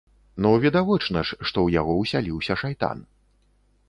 Ну відавочна ж, што ў яго ўсяліўся шайтан.